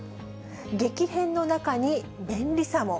激変の中に便利さも。